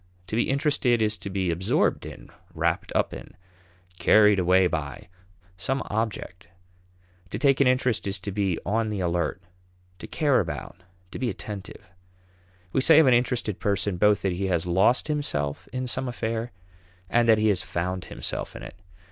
To be interested is to be absorbed in, wrapped up in, carried away by, some object. To take an interest is to be on the alert, to care about, to be attentive. We say of an interested person both that he has lost himself in some affair and that he has found himself in it.